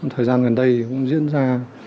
thời gian gần đây cũng diễn ra